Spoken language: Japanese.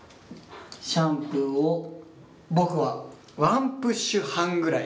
シャンプーを僕はワンプッシュ半ぐらい。